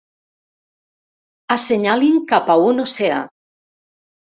Assenyalin cap a un oceà.